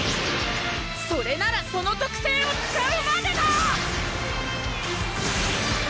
それならその特性を使うまでだ！